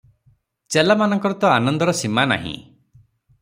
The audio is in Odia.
ଚେଲାମାନଙ୍କର ତ ଆନନ୍ଦର ସୀମା ନାହିଁ ।